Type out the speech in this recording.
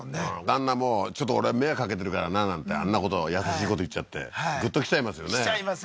旦那もちょっと俺迷惑かけてるからななんてあんなこと優しいこと言っちゃってグッときちゃいますよねきちゃいますよ